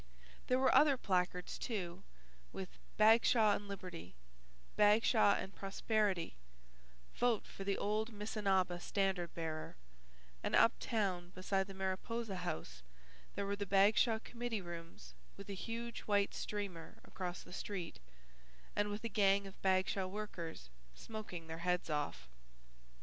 There were other placards, too, with BAGSHAW AND LIBERTY, BAGSHAW AND PROSPERITY, VOTE FOR THE OLD MISSINABA STANDARD BEARER, and up town beside the Mariposa House there were the Bagshaw committee rooms with a huge white streamer across the street, and with a gang of Bagshaw workers smoking their heads off.